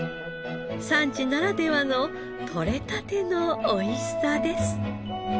産地ならではのとれたてのおいしさです。